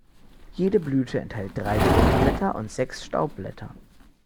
Jede Blüte enthält drei Fruchtblätter und sechs Staubblätter.